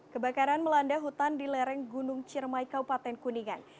kebakaran melanda hutan di lereng gunung ciremai kabupaten kuningan